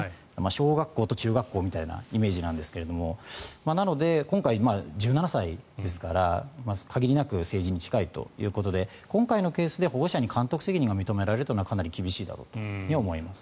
小学校と中学校みたいなイメージなんですがなので、今回１７歳ですから限りなく成人に近いということで今回のケースで保護者に監督責任が認められるというのはかなり厳しいだろうと思います。